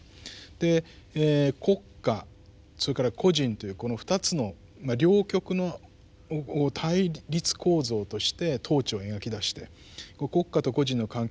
で国家それから個人というこの２つの両極を対立構造として統治を描き出して国家と個人の関係をどういうふうに組み立てるのかって